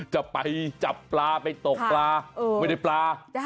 จะไปจับปลาไปตกปลาไม่ได้ปลา